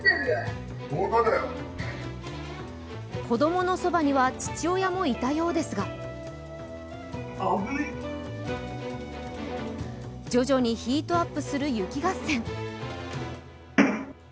子供のそばには父親もいたようですが徐々にヒートアップする雪合戦。